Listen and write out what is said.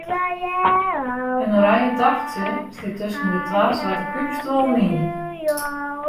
In oranje taffeltsje stie tusken de twa swarte kúpstuollen yn.